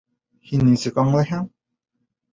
Һин нисек аңламайһың?